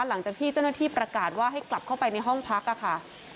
หลังจากที่เจ้าหน้าที่ประกาศว่าให้กลับเข้าไปในห้องพักค่ะ